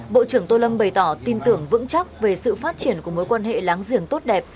bộ trưởng tô lâm bày tỏ tin tưởng vững chắc về sự phát triển của mối quan hệ láng giềng tốt đẹp